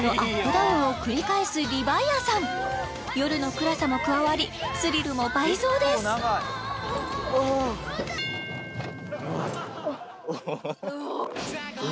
ダウンを繰り返すリヴァイアサン夜の暗さも加わりスリルも倍増ですあっああ